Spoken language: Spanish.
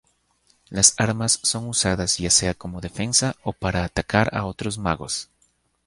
Las armas son usadas ya sea como defensa o para atacar a otros magos.